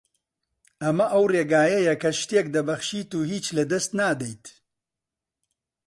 ئەمە ئەو ڕێگایەیە کە شتێک دەبەخشیت و هیچ لەدەست نادەیت